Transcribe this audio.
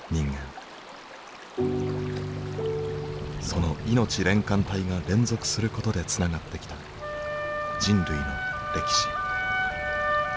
そのいのち連環体が連続することでつながってきた人類の歴史。